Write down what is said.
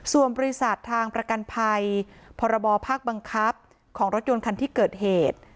ส่วนบริษัททางประกันภัยพรบภาคบังคับของรถยนต์คันที่เกิดเหตุ